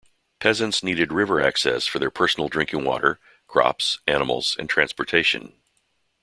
Peasants needed river access for their personal drinking water, crops, animals, and transportation.